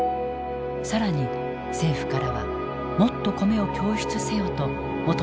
更に政府からはもっと米を供出せよと求められていた。